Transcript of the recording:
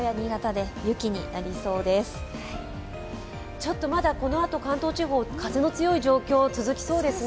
ちょっとまだこのあと関東地方、風の強い状況、続きそうですね。